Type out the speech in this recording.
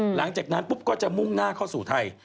หลังจากนั้นปุ๊บก็จะมุ่งหน้าเข้าสู่ไทย